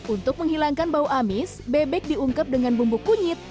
untuk menghilangkan bau amis bebek diungkep dengan bumbu kunyit